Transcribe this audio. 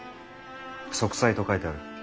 息災と書いてある。